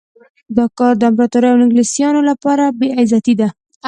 دا کار د امپراطور او انګلیسیانو لپاره بې عزتي ده.